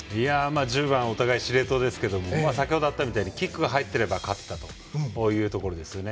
１０番はお互い司令塔ですが先程あったようにキックが入っていれば勝ってたというところですよね。